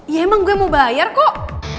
ya emang gue mau bayar kok